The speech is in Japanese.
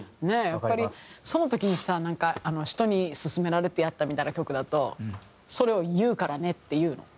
やっぱりその時にさなんか人に勧められてやったみたいな曲だと「それを言うからね」って言うの。